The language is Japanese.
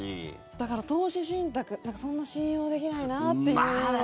だから、投資信託そんな信用できないなっていうのもあります。